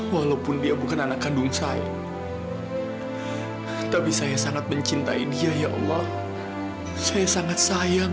walaupun dia bukan anak kandung saya tapi saya sangat mencintai dia ya allah saya sangat sayang